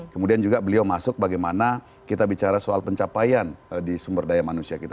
kemudian juga beliau masuk bagaimana kita bicara soal pencapaian di sumber daya manusia kita